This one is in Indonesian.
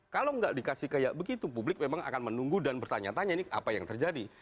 kalau nggak dikasih kayak begitu publik memang akan menunggu dan bertanya tanya ini apa yang terjadi